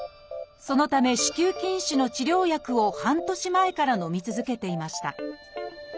そのため子宮筋腫の治療薬を半年前からのみ続けていました。